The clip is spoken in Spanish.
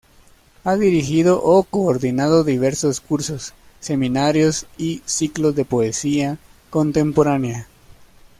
Ha dirigido o coordinado diversos cursos, seminarios y ciclos de poesía contemporánea.